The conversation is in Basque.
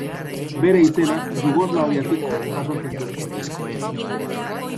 Bere izena Jugoslaviagatik jasotzen du.